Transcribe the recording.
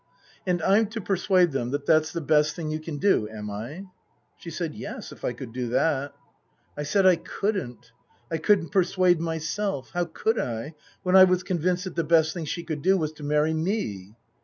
" And I'm to persuade them that that's the best thing you can do, am I ?" She said, Yes if I could do that I said I couldn't. I couldn't persuade myself. How could I, when I was convinced that the best thing she could do was to marry me